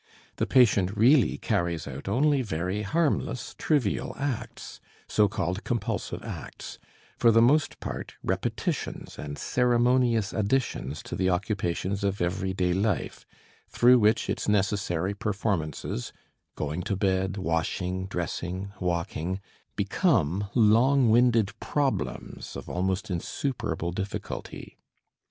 The patient really carries out only very harmless trivial acts, so called compulsive acts, for the most part repetitions and ceremonious additions to the occupations of every day life, through which its necessary performances going to bed, washing, dressing, walking become long winded problems of almost insuperable difficulty.